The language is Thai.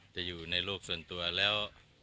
จะอยู่ในโลกส่วนตัวแล้ว